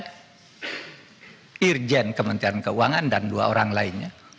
dirjen kementerian keuangan dan dua orang lainnya